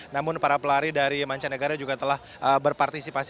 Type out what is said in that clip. namun para pelari dari mancanegara juga telah berpartisipasi